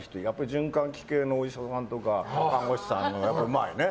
循環器系のお医者さんとか看護師さんはやっぱうまいね。